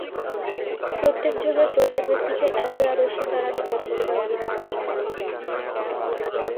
প্রত্যেক যুগের প্রত্যেক ব্যক্তিকে একই আদর্শের দ্বারা বিচার করিবার অধিকার আমাদের নাই।